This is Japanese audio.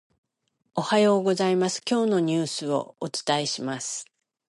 おはようございます、今日のニュースをお伝えします。